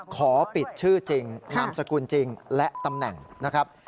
ขอปิดชื่อจริงนามสกุลจริงและตำแหน่งนะครับ